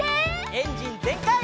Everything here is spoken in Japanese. エンジンぜんかい！